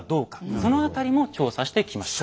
その辺りも調査してきました。